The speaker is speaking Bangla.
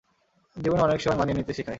জীবন অনেক সময় মানিয়ে নিতে শিখায়।